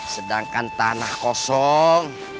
sedangkan tanah kosong